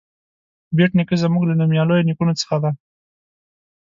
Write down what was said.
بېټ نیکه زموږ له نومیالیو نیکونو څخه دی.